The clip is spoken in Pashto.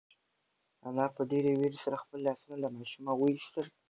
انا په ډېرې وېرې سره خپل لاسونه له ماشومه وایستل.